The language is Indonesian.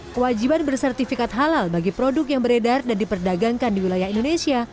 kewajiban bersertifikat halal bagi produk yang beredar dan diperdagangkan di wilayah indonesia